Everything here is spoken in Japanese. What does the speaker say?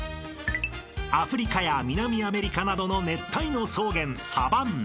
［アフリカや南アメリカなどの熱帯の草原サバンナ］